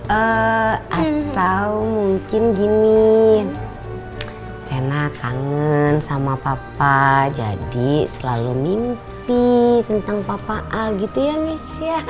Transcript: eee atau mungkin gini rena kangen sama papa jadi selalu mimpi tentang papa alda gitu ya miss ya